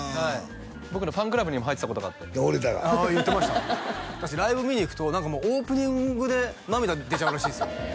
僕のファンクラブにも入ってたことがあって折田が？ああ言ってましたライブ見に行くとオープニングで涙出ちゃうらしいんですよああ